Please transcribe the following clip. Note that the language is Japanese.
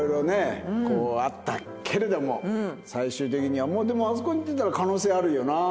こうあったけれども最終的にはもうでもあそこにいってたら可能性あるよな。